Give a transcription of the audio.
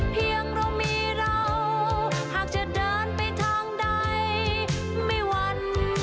เรามีเราหากจะเดินไปทางใดไม่วัน